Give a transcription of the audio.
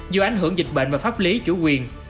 do ảnh hưởng dịch bệnh và pháp lý chủ quyền